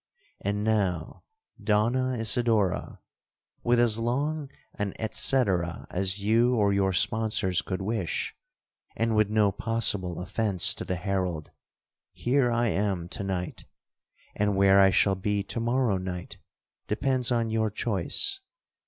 And now, Donna Isidora, with as long an et cetera as you or your sponsors could wish, and with no possible offence to the herald, here I am to night—and where I shall be to morrow night, depends on your choice.